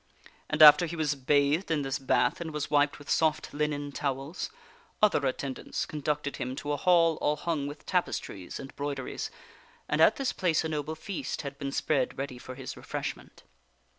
And after he was bathed in this bath and was wiped with soft linen towels, other attendants conducted him to a hall all hung with tapes tries and 'broideries, and at this place a noble feast had been spread ready for his refreshment.